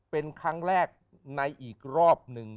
เป็นครั้งแรกในอีกรอบหนึ่ง